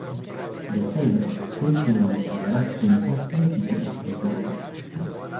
Bestalde, fruituen eta barazkien postuek itxita jarraituko dute.